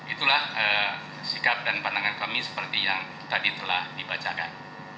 itulah sikap dan pandangan kami seperti yang tadi telah dibacakan